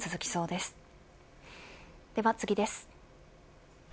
では次です。